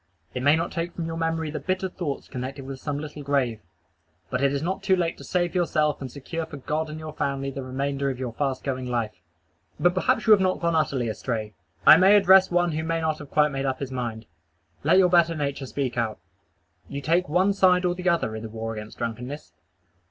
It may not take from your memory the bitter thoughts connected with some little grave: but it is not too late to save yourself and secure for God and your family the remainder of your fast going life. But perhaps you have not utterly gone astray. I may address one who may not have quite made up his mind. Let your better nature speak out. You take one side or the other in the war against drunkenness.